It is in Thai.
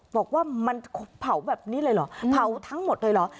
บอกว่ามันเผาแบบนี้เลยเหรอเผาทั้งหมดเลยเหรอ